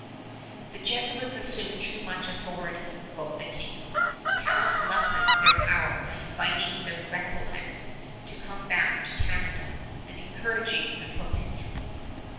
"The Jesuits assume too much authority," wrote the King. Talon lessened their power by inviting the Recollets to come back to Canada and by encouraging the Sulpicians.